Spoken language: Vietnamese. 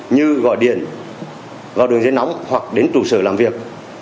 như gọi điện vào đường dây nóng hoặc đến trụ sở làm việc